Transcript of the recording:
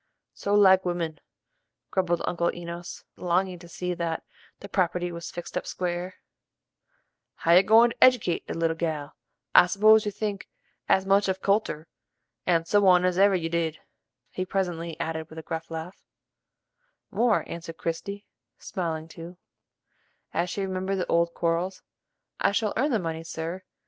"So like women!" grumbled Uncle Enos, longing to see that "the property was fixed up square." [Illustration: "SHE'S A GOOD LITTLE GAL! LOOKS CONSID'ABLE LIKE YOU."] "How are you goin' to eddicate the little gal? I s'pose you think as much of culter and so on as ever you did," he presently added with a gruff laugh. "More," answered Christie, smiling too, as she remembered the old quarrels. "I shall earn the money, sir.